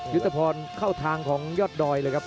ยุทธพรเข้าทางของยอดดอยเลยครับ